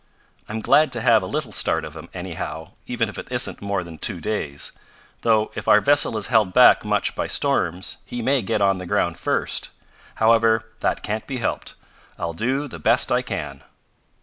I'm glad to have a little start of him, anyhow, even if it isn't more than two days. Though if our vessel is held back much by storms he may get on the ground first. However, that can't be helped. I'll do the best I can."